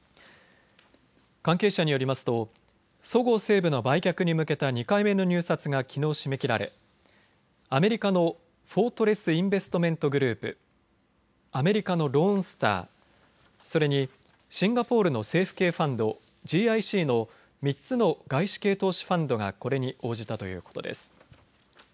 関係者によりますとそごう・西武の売却に向けた２回目の入札がきのう締め切られアメリカのフォートレス・インベストメント・グループ、アメリカのローン・スター、それにシンガポールの政府系ファンド、ＧＩＣの３つの外資系投資ファンドがこれに応じたということです。